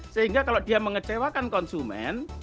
sehingga kalau dia mengecewakan konsumen